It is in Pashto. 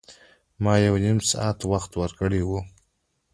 ما یو نیم ساعت وخت ورکړی و.